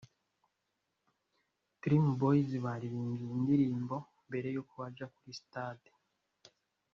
Dream Boyz baririmbye iyi ndirimbo mbere y’uko bajya kuri stage